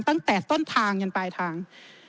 ตั้งแต่ต้นทางจนปลายทาง